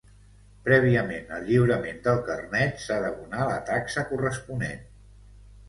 Prèviament al lliurament del carnet s'ha d'abonar la taxa corresponent.